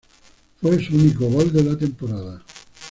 Fue su único gol de la temporada.